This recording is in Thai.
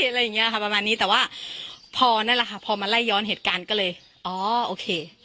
อะไรอย่างเงี้ยค่ะประมาณนี้แต่ว่าพอนั่นแหละค่ะพอมาไล่ย้อนเหตุการณ์ก็เลยอ๋อโอเค